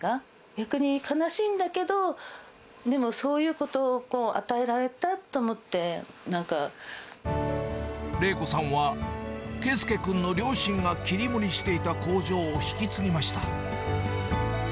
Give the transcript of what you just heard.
逆に悲しいんだけど、でもそういうことを与えられたと思って、玲子さんは、佳祐君の両親が切り盛りしていた工場を引き継ぎました。